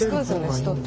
人って。